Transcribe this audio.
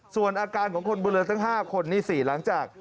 ส่วนอาการของคนบริเวณตั้ง๕คนนี่๔หลังจาก